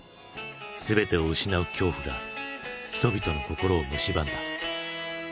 全てを失う恐怖が人々の心をむしばんだ。